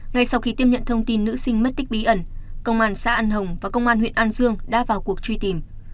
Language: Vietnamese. ngay sau khi tiếp nhận thông tin nữ sinh mất tích bí ẩn công an xã an hồng và công an huyện an dương đã vào cuộc truy tìm